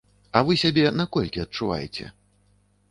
А вы сябе на колькі адчуваеце?